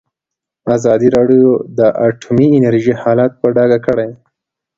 ازادي راډیو د اټومي انرژي حالت په ډاګه کړی.